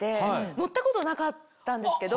乗ったことなかったんですけど。